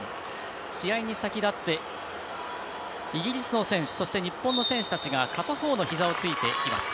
試合に先立って、イギリスの選手そして日本の選手たちが片方のひざをついていました。